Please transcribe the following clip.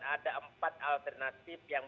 ada empat alternatif yang